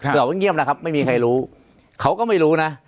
ขอบใจเงียบนะครับไม่มีใครรู้เขาก็ไม่รู้นะ